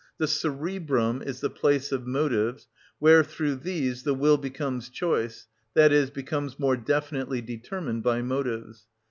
The cerebrum is the place of motives, where, through these, the will becomes choice, i.e., becomes more definitely determined by motives.